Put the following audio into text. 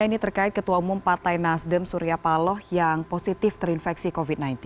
ini terkait ketua umum partai nasdem surya paloh yang positif terinfeksi covid sembilan belas